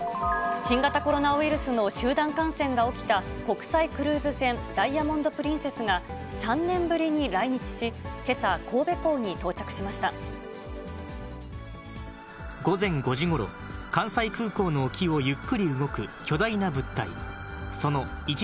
新型コロナウイルスの集団感染が起きた国際クルーズ船、ダイヤモンド・プリンセスが、３年ぶりに来日し、けさ、午前５時ごろ、関西空港の沖をゆっくり動く巨大な物体。